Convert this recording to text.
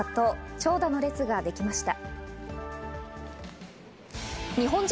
長蛇の列ができました。